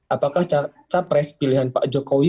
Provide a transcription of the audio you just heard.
apakah capres pilihan pak jokowi